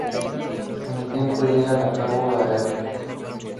Con el tiempo llegan a cabo a Elmer.